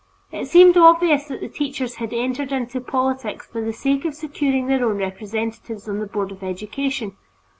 It seemed obvious that the teachers had entered into politics for the sake of securing their own representatives on the Board of Education.